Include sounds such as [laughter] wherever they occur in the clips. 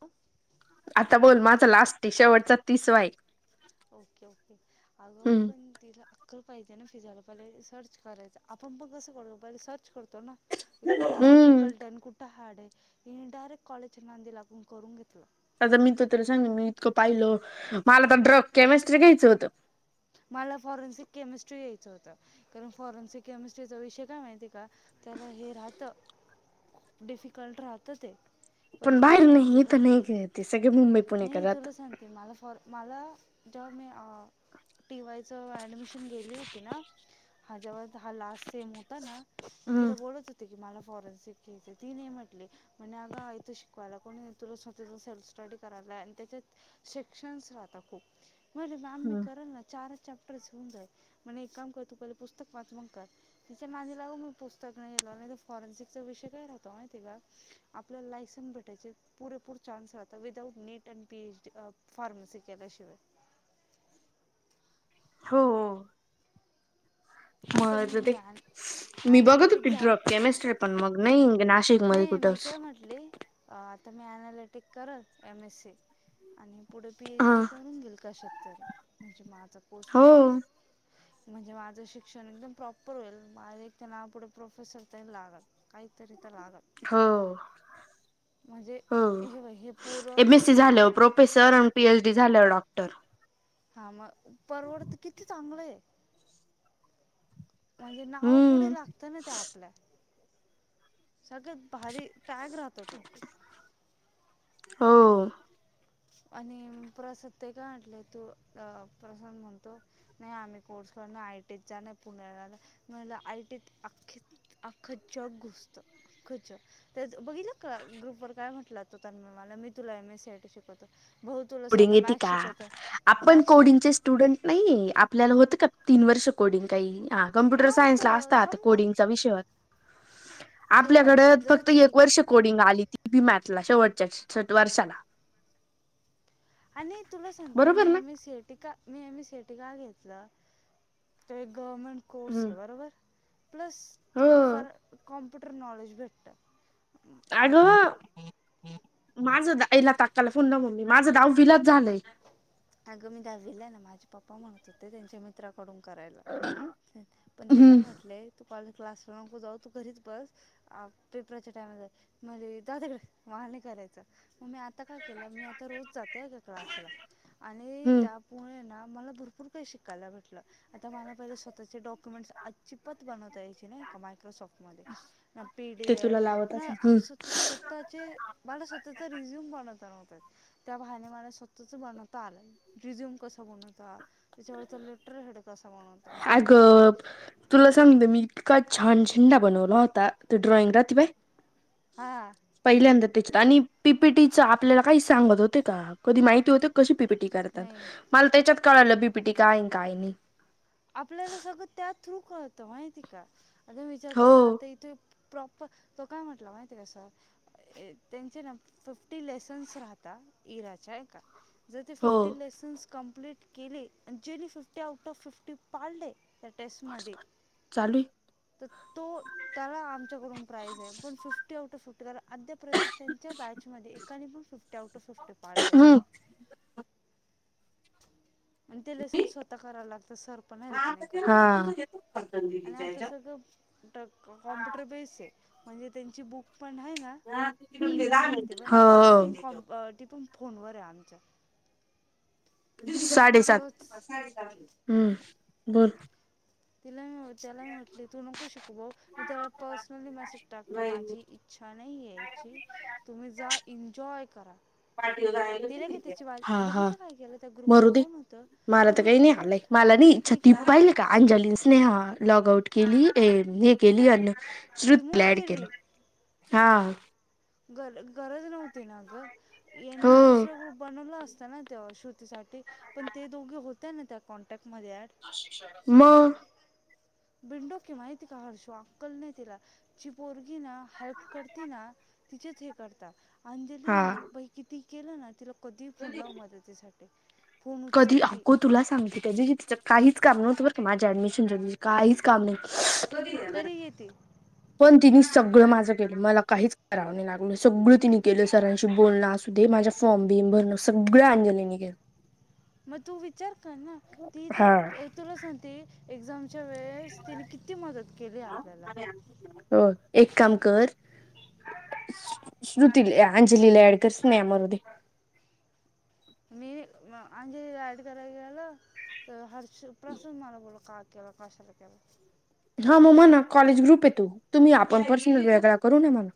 अ. आता बोल माझा लास्ट शेवटचा तिसवा [inaudible] एक ओके, ओके अगो पण तिला अक्कल पाहिजे ना. फिजायला पाहिले सर्च करायचं आपण पण कसं करतो. पहिले सर्च करतो ना. हे कुठं हम्म डफिकल्ट आहे आणि कुठं हार्ड आहे. हे डारेक्ट कॉलेजच्या नादी लागून करून घेतला. आता मी त तला सांगे मी इतकं पाहिल मला तर ड्रप केमेस्ट्री घ्यायचं होतं. मला फॉरेन्सिक केमिस्ट्री [inaudible] यायचं होतं कारण फॉरेन्सिक केमिस्ट्रीचा विषय काय माहिती. का त्याला हे राहत, डिफिकल्ट राहत ते. पण बाहेर तुला सांगते नाही ते तर नाही ग, ते सगळे मुंबई पुणेकर नाही राहत तुला सांते मला फॉर मला जेव्हा मी टी वाय च ऍडमिशन गेली होती ना. हा ज्याव हा लास्ट सेम होता. [inaudible] होता ना मी तिला बोलत [inaudible] होत की मला फॉरेनसिक केस आहे ती नाही म्हटली. म्हणे अगा आ इथं शिकवायला कोणी तुला स्वतं सेल्फ स्टडी [inaudible] [inaudible] ख म्ही ना चार [inaudible] ेऊन जा म्हण एक काम कर तू पहिले पुस्तक वाच [inaudible] मगत तिच्या माणी लागून मी पुस्तक [inaudible] नाहील नाही फॉरेन्सिकचा विषय काय राहतो [inaudible] मा ति का आपल्या लायसन्स भेटायचे पुरेपूर चान्स राहतात without NEET and P H D pharmacy केल्या शिवाय. हो, हो, [inaudible] म आता मी ते हे ॲन मी बघत ॲनालिटिक होते झाल ड्रॉप केमिस्ट्री पण मग नाही [inaudible] नाही मी कुठंच काय म्हटले, आता मी अनालिटिक करत एम एस सी. आणि पुढे पी एच हा डी करून घेल काशत्तरी म्हणजे माचा पोस्ट हो क म्हणजे माझं शिक्षण एकदम प्रॉपर होईल. माझे नाव पुढे प्रोफेसर लागत. काहीतरीत [inaudible] रागत हो. हो हे हे पोरं एम एस सी झाल्या प्रोफेसर आणि पीएच डी झाल्या डॉक्टर. हा मग परवडत किती चांगलं आहे. म्हणजे नाव पुढे हम्म लागत ना त्या आपल्या सगळ्यात भारी. टॅग राहतो तो. हो. आणि प्रसाद ते काय [inaudible] म्हटलंय तू अ प्रसान म्हणतो. नाही आम्ही कोर्स कर नाही आयटीत जाण पुण्यालाला म्हला आयटीत अख्खे [inaudible] अखचक घुसत [inaudible] अखच त्याच बघितला का ग्रुपवर काय म्हटलं त त्यांमुळे मला मी तुला ए मी सट शिकवतो. भाऊ तुला [inaudible] साधं डेते मॅथ्स का शिकवतोय आपण [inaudible] मॅथ्स शिक कोडं स्टुडंट नाही आपल्याला होत का तीन वर्ष [inaudible] अकॉर्डिंग काही ह. [inaudible] प [inaudible] नव्हतं असतातडंग संबंध विषय हे बघ आपल्याकड जर फक्त ते एक हे वर्ष कोडिंग आली ती बी मॅथला शेवटच्या [inaudible] वर्षाला आणि तुला सती [inaudible] बरोबर मेह ना मी [inaudible] शेटिक मी एम सीटी का घेतलं. तो एक गव्हर्मेंट कोर्स हम्म आहे बरोबर. प्लस हो थोडंफार [inaudible] कॉं्प्युटर नॉलेज भेटतं. मायक अगं माझं आईला ताकायला फोन [inaudible] ना मम्मी माझं दाव विलात झालंय. अगं मी [inaudible] द्यावीला आहे ना. माझे पप्पा म्हणत होते त्यांच्या म [inaudible] पत्राकडून करायला पण ते का हम्म म्हटले. तू कॉलेज क्लास [inaudible] रमू जाऊ तू घरीच बस. अह पेपरच्या टाइमला मले जा तिकडे मला नाही करायचं मग मी आता काय केलं मी आता रोज जाते हां की क्लासला आणि हम्म त्यामुळे ना मला भरपूर काही शिकायला भेटलं आता मला पहिले स्वतःचे डॉक्युमेंटस अजिबात बनवता यायचे नाही का मायक्रोसॉफ्ट मध्ये पी डी ते तुला एफ लावत ना असेल हम्म सु स्वतःचे मला स्वतःचा रिझ्यूम बनवता नव्हता येत. त्या बहाने मला स्वतःच बनत तात रिझ्यूम कस बनवतात, त्याच्यावरचं लेटर हेड कस बनवतात अह तुला सांगते मी काय छान झेंडा बनवला होता तो ड्रॉइंग रहाते बाई हा. पहिल्यांदा त्याच्यात आणि पी पी टी च आपल्याला काही सांगत होते का कधी माहिती होत कशी पी पी टी करतात. नाही मला त्याच्यात कळालं पी पी टी काय आहे आणि काय नाय. आपल्याला सगळं त्या थ्रू कळतं माहिती का आता विचार हो केला आता इथे प्रॉपर तो काय म्हटला माहिती हाय का सर अह त्यांचे ना फिफ्टी लेसन्स राहता इराच्या हाय का. जर ते हो फिफ्टी लेसन्स कंप्लीट केले आणि जेनी फिफ्टी आउट ऑफ फिफ्टी पाडले त्या टेस्टमध्ये, हॉटस्पॉट चालू तर तो त्याला आमच्याकडून प्राईज आहे, पण फिफ्टी आउट ऑफ फिफ्टी कारण अद्यापर्यंत त्यांच्या बॅचमध्ये एकाने पण fifty fifty out of fifty पाडले नाही. आहे आणि ते लेसन्स स्वत कराव लागतं सर पण हेल्प नाही करत हा. आणि आता सगळं कॉम्प्युटर बेस्ड आहे. म्हणजे त्यांची बुक पण आहे ना ई बुक राहते ब ती हो पण कॉमप ती पण फोनवर आहे आमच्या. साडेसात. जवच बसणार आहेस का? हम्म बर. तिला म त्याला मी म्हटले तू नको शिकू भाऊ मी त्याला पर्सनली मेसेज टाकलं माझी इच्छा नाही यायची तुम्ही जा इन्जॉय करा. तिला की तिची वा हा हा बघितलं काय केलं त्या मरू ग्रुपवर दे. कोण होतं मला त्या तर काय ग्रुपवर नाही कोण आलंय. मला नाही इच्छा मी ती का पाहिल का अंजली, स्नेहा लॉग आउट केली हे केली अन रिमूव्ह श्रुतीला ऍड केली केलं. हा. गर गरज नव्हती ना ग यांनी हो दुसरा ग्रुप बनवला असता ना त्या श्रुतीसाठी पण ते दोघे होत्या ना त्या कॉन्टॅक्टमध्ये ॲड. मग बिनडोक आहे माहिती का हर्षा अक्कल नाही तिला. जी पोरगी ना हेल्प करती ना तिचेच हे करता. अंजली हा ना बाई किती केलं ना तिला कधीही फोन लाव मदतीसाठी फोन कधी उचलते अग तुला सांगते? त्या दिवशी तिचं काहीच काम नव्हतं बर माझ्या ऍडमिशनच्या दिवशी काहीच काम नाही. तरी येते. पण तिने सगळं माझं केलं मला काहीच करावं नाही लागलं सगळ तिने केलं सरांशी बोलन असू दे, माझा फॉर्म बिम भरण सगळ अंजलीनी केलं. मग तू विचार कर ना ती तर हा अह तुला सांगते एक्झामच्या वेळेस तिने किती मदत केली आपल्याला. हो एक काम कर श्रुतीले, अंजलीले ॲड कर, स्नेहा मरु दे. मी अंजली ला ऍड करायला गेलं, तर हर्ष प्रसन मला बोलला का केल? कशाला केलं? हा. म म्हणा कॉलेज ग्रुपे तो. तुम्ही, आपण पर्सनल वेगळा करू ना म्हणा.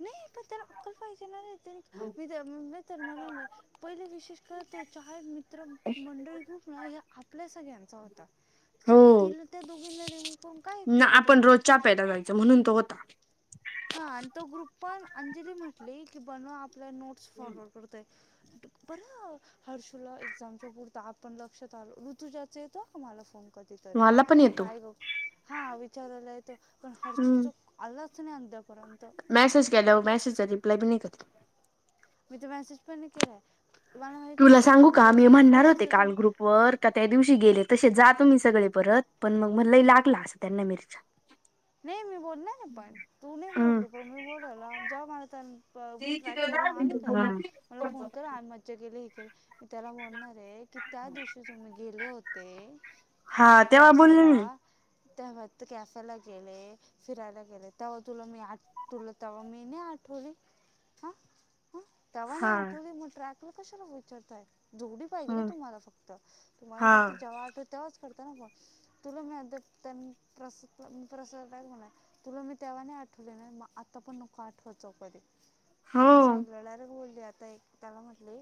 नाही, पण त्याला अक्कल पायजे ना नाही तरी ह. मी तर म्हणाले, पहिले विशेष कर त्याचे आहेत मित्र मंडळ ग्रुप ना. ह्या आपल्या सगळ्यांचा होता. तिच्या त हो तिला, त्या दोघींना रिम्हू करून काय केलं तुम्ही? फायदा व्हायचा, म्हणून तो होता. हा. आणि तो ग्रुप पण अंजली म्हटली, की बनवा आपल्या नोट्स फॉरवर्ड करतोय. बरं हर्षुला एक्झामच्या पुरता आपण लक्षात आलो. ऋतुजाच येतो बरं का मला फोन कधीतरी. मला पण येतो काय ग? हा विचारला येतो. पण हर्षू हम्म चा आलाच नाही आता पर्यंत. मॅसेज केल्यावर, मॅसेज रिप्लाय बी नाही करीत. मी तर मेसेज पण नाही केलाय. मला माहिती तुला होतं, सांगू आणि का तुला मी सांगु म्हणणार होते हर्षूच काल ग्रुप वर का त्या दिवशी गेले, तसे जा तुम्ही सगळे परत. पण मग म लयं लागल्या असं त्यांना मिरच्या. [inaudible] नाही मी बोलणारे पण तू नाही हम्म. बोलली, पण मी बोललं. जाऊन आले ट्रॅक वरून आले का हे मला फोन कर, आज मज्जा गेले, हे केले मी त्याला बोलणार आहे की, त्या दिवशी तुम्ही गेले होते हा तेव्हा बोले कॅफेला मी. [unintelligible] गेले. फिरायला गेले, तेव्हा तुला मी आठ, तुलं तेव्हा मी नाही आठवली? हा, हा. तेव्हा नाही हा आठवली मग ट्रॅकला कशाला विचारताय. जोडी पाहिजे का हम्म. तुम्हाला फक्त. तुम्हाला हा फक्त जेव्हा आठवते तेव्हाच करतात ना कॉल. तुला मी आता [unintelligible] [unintelligible] तुला मी तेव्हा नाही आठवले ना, मग आता पण नको आठवत जाऊ कधी. हो मी सायलीला डायरेक्ट बोली आता ये त्याला म्हटले,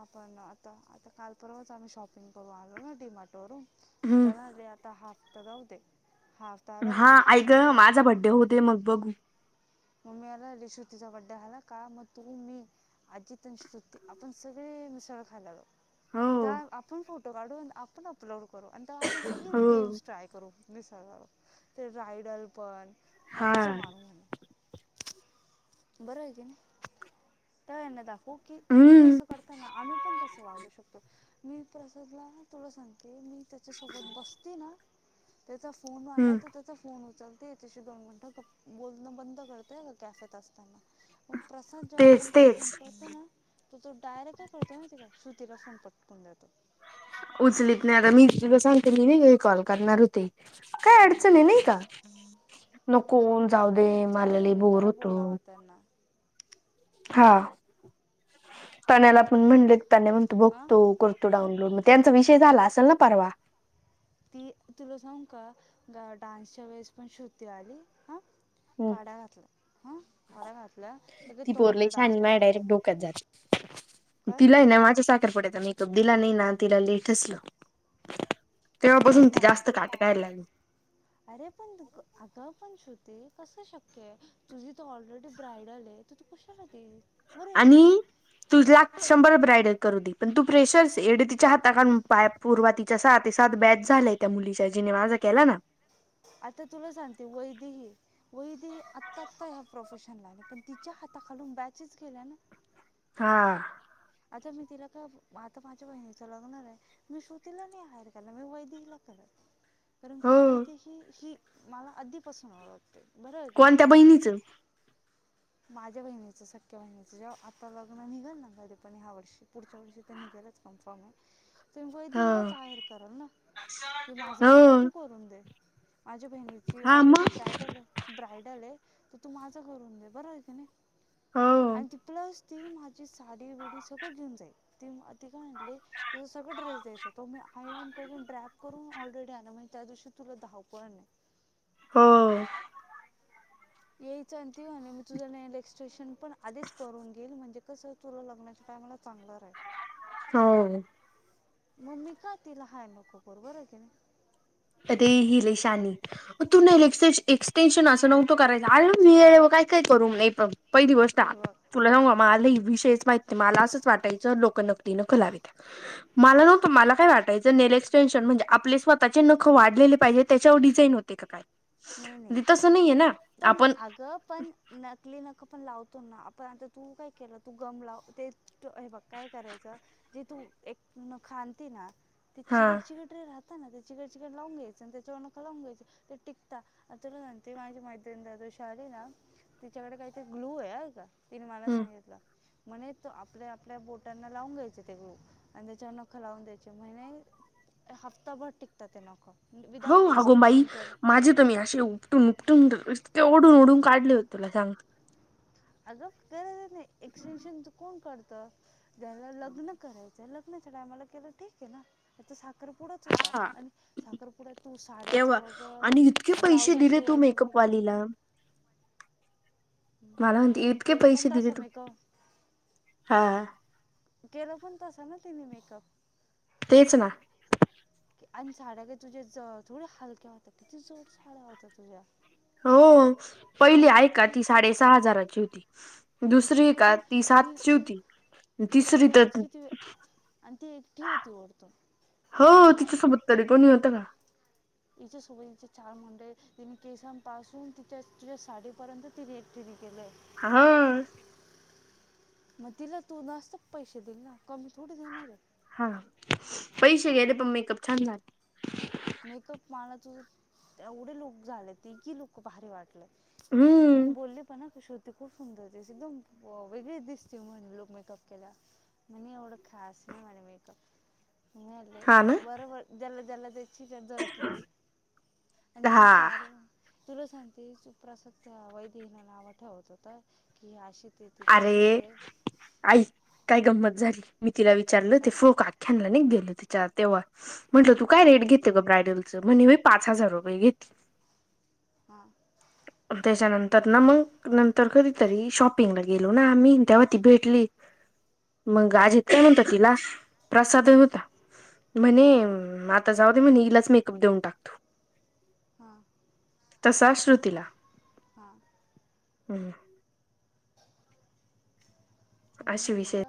आपण आता, आता काल परवाच आम्ही शॉपिंग करू आलो ना डिमार्टवरून. हम्म त्याला हे आता हा हप्ता जाऊ दे. हा आला का हा, पुढच्या आई हफ्त्यात गं ना माझा तू बड्डे होऊ दे मग बघू. मग मे मध्ये श्रुतीचा बर्थडे आला का, मग तुम्ही अन् मी अजीत आणि श्रृती आपण सगळे मिसळ खायला हो जाऊ. त्या आपण फोटो काढून, आपण अपलोड करू. आणि तेव्हा आपण सगळे हो गेम्स ट्राय करू. मिसळ ला जाऊ. ते रायडल पण हा मज्जा मारु म्हणे. बरोबर आहे की नाही. तेव्हा यांना दाखवू की तुम्ही हम्म जसं करताना, आम्ही पण तसं वागू शकतो. मी प्रसादला तुला सांगते, मी त्याच्यासोबत बसते ना त्याचा फोन आला हम्म तर, त्याचा फोन उचलते. त्याच्याशी दोन मिनटं बोलणं बंद करते कॅफेत असना. पण प्रसाद जेव्हा तेच आपण त्याला तेच फोन करतो ना तो डायरेक्ट काय करतो, माहिती ये का? श्रुतीला फोन पटकून देतो. उचलीत नाही. आता मी तुला सांगते, मी नाही का विडीओ कॉल करणार होते. काय हा. अडचण आहे नाही का नको जाऊ [inaudible] दे ते जाऊ मला दे लई बाई, बोर काय होतो बोलावं त्यांना. हा तण्याला आपण म्हणले तण्या म्हणतो हां बघतो करतो. तो डाऊनलोड मग त्यांचा विषय झाला असेल ना परवा ती तुला सांगु का ग डान्सच्या वेळेस पण शुती आली हा काड्या घातलं हा काडा घात ती पोरल लई शानी आणि माझ डायरेक्ट डोक्यात जात काय तिला आहे ना माझ साखरपुडायत मी जब दिला नाही ना तिला लेट असल ते तेव्हापासून तर ती आहे जास्त काटकायला लागली. अरे पण अग पण श्रुते कस शक्य आहे कसं शक्य आहे तुझी त ऑलरेडी ब्रायडल आहे? तू कशाला गे आणि तुझला शंभर ब्रायडल करू दे पण तू फेशरस एडतीच्या हाता खालून पाय पूर्वातिच्या साती सात बॅच झालाय त्या मुलीच्या जिने माझा केला ना? आता तुला सांगते वैदही. वैदही आत्ता आत्ता ह्या प्रोफेशनला आहे पण तिच्या हाताखालून बॅचेस गेल्या ना. हा. आता मी तिला का आता माझ्य बहीणीच लागणार आहे. मी श्रुतीला नाही हाईंड केला मी वैदहीला करल. कारण हो वैदही ही ही मला आधीपासून ओळख ते. कोणत्या बहिणीचं. माझ्या बहिचं सख्या बहिणीच जेव्हा आता लग्न निघेल ना कधी पण ह्या वर्षी पुढच्या वर्षी त्यांनी केलंच कन्फर्म आहे ह. तुम्ही वैदही लाचा आहेर करा ना हे माझा मेकअप हो तू करून दे माझ्या बहिणी जी हा ऑलरेडी मग ब्रायडल आहे ब्रायडल आहे तर तू माझं करून दे बर आहे की नाही. हो आणि ती प्लस ती माझी साडी बिडी सगळं घेऊन जाईल ती ती काय आणली तुं सगळं ड्रेस द्यायचा तो मी हायान करून ड्रॅप करून ऑलरेडी आला म्हणजे त्या दिवशी तुला धावपळ नाही. हो. यायचं ती मी तुझा नस्ट्रेशन पण आधीच करून घेल म्हणजे कसं तुला लग्नाच्या टायमला चांगलं राहील आहे हो मम्मी काय तिला हायर नको बरोबर आहे की नाही. त्यात आहे ती लय शहाणी. तू नाही लेक् एक्सटेन्शन असं नव्हतो करायचा आ वेळे काही काही करू मी पण. पहिली गोष्ट हे बघ हा मला लई विषय. मा मला असंच वाटायचं लोक नकली लावित. मला नव्हंत मला काय वाटायचं नेल एक्सटेंशन म्हणजे आप स्वतः जे नकं वाढले पाहिजे त्याच्यावर डिझाईन होते का काय. नाही नाही म्हणजे तसं नाहीये ना पण आपण अगं पण नकली नक पण लावतो ना आपण आता तू काय केलं तू गम लाव ते हे बघ काय करायचं? जे तू एक नख आणती ना. ते हा चिकट चिकट रे राहता ना ते चिकट चिकट लावून घ्यायचं आणि त्याच्यावर नख लावून घ्यायचे ते टिक तुला ते माझी मैत्रीण त्यादिवशी आले ना तिच्याकडे काहीतर ग्लू आहे माहिती आहे का? तिने मला सांगितलं? म्हणे आपल्या आपल्या बोटांना लावून घ्यायचे ते ग्लु आणि त्याच्या नखं लावून द्यायचे म्हणे? हप्ताभर टिकतात नख. हो अगो बाई माझे तर मी असेऊ. तुम तुम ते ओडून ओडून काढले होते [unintelligible] अगं करर ना ते, एक्सटेनशन चकून करतं? ज्याला लग्न करायचंय, लग्नाच्या टायमला केलं ठीकाय ना? त्याचा साखरपुडाच होता आन साखरपुड्यात तू साड्याचं तेव्हा बघंल ब्लाऊजं शिवायचं बघ. तिला मला म म्हणते तिनं इतके केलं पण पैसे दिले तसा तू मेकअ हा केलं पण तसं ना तिनं मेकअप? तेच ना. आन, साड्या त तुझ्याच थोड्या हलक्या होत्या? किती जड साड्या होत्या तुझ्या? होओ, पहिली आणि त्यात पण ऐकाठी साडी साडेसहा हजाराची होती. दुसरी विचार आहे कर का ती न-ती सातची होती ती तिसरी तर बसवायलाच किती वेळ, आन ती एकटी होती ओरतून. हो तिच्यासोब्बत तरी कोणी होतं का? तिच्या सोबईचे चार मुंडे, तिने केसांपासून तिच्या, तिच्या साडीपर्यंत तिने एकटीने केलंय. हाआ मग तिला तू जास्तअ पैशे दिल ना? कमी थोडी देणारे? हा, पैशे गेले पण, मेकअप छान झालं. मेकअप पा ना तु, तेव्वडे लुक झाले, तेकी लुक भारी वाटले. मी हम्म बोलले पणा कशी हो ती खूप सुंदर दिस एकदम वेगळीच दिसती म्हण लोक मेकअप केल्या म्हणे एवडं खास नायी म्हणे मेकअप, मी म्हनले, हा ना बरबर ज्यांना ज्यांना दिसा तुज्याव जळतेच, आन तू हा चारू तुला सांगते सु प्रसाद त्या वैदहीला नावं ठेवत होता की अशी तेथे अर्रे, आईक, काय गंमत झाली, मी तिला विचारलं ती फो का? खनलान गेलं तिच्या तेव्हा म्हंटलं, तू काय हां रेट घेते ग ब्रायडल? त म्हणे, मी पाच हजार रुपये घेते. हा त्याच्यानंतर ना मंग, नंतर कधीतरी शॉपिंगला गेलो ना आम्ही त्याव ती हां भेटली, मंग आजीत काय म्हणतो तिला, प्रसादही होता, ती म्हणे, हां अं आता जाऊ दे म्हणे हीलाच मेकअप देऊन टाकतो. हां तसा श्रुतीला, हां हम् अशी विषय [inaudible]